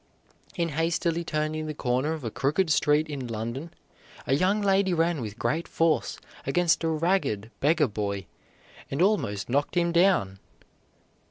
In hastily turning the corner of a crooked street in London, a young lady ran with great force against a ragged beggar boy and almost knocked him down.